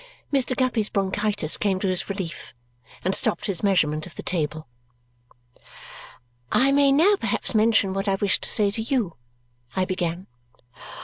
Mr. Guppy's bronchitis came to his relief and stopped his measurement of the table. "I may now perhaps mention what I wished to say to you?" I began.